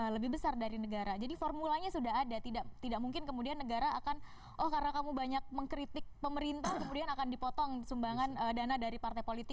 lebih besar dari negara jadi formulanya sudah ada tidak mungkin kemudian negara akan oh karena kamu banyak mengkritik pemerintah kemudian akan dipotong sumbangan dana dari partai politik